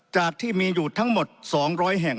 จากที่มีอยู่ทั้งหมด๒๐๐แห่ง